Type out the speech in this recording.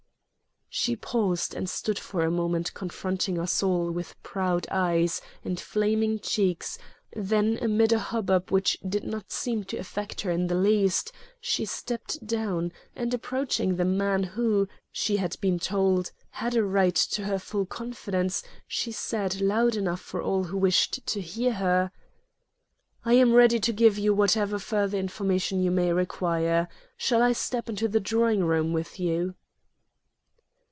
She paused, and stood for a moment confronting us all with proud eyes and flaming cheeks, then amid a hubbub which did not seem to affect her in the least, she stepped down, and approaching the man who, she had been told, had a right to her full confidence, she said, loud enough for all who wished to hear her: "I am ready to give you whatever further information you may require. Shall I step into the drawing room with you?"